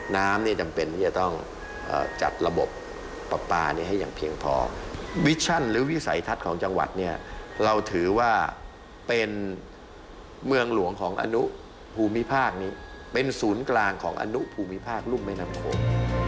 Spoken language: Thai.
น้ำเนี่ยจำเป็นที่จะต้องจัดระบบปลาปลานี้ให้อย่างเพียงพอวิชชั่นหรือวิสัยทัศน์ของจังหวัดเนี่ยเราถือว่าเป็นเมืองหลวงของอนุภูมิภาคนี้เป็นศูนย์กลางของอนุภูมิภาครุ่มแม่น้ำโขง